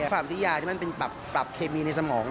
ความที่ยาที่มันเป็นปรับเคมีในสมอง